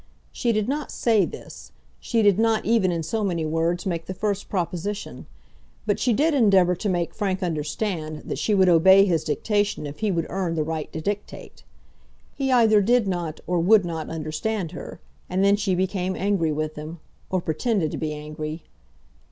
She did not say this. She did not even in so many words make the first proposition. But she did endeavour to make Frank understand that she would obey his dictation if he would earn the right to dictate. He either did not or would not understand her, and then she became angry with him, or pretended to be angry.